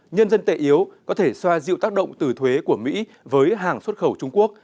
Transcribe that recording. nhân dân tệ yếu có thể xoa dịu tác động từ thuế của mỹ với hàng xuất khẩu trung quốc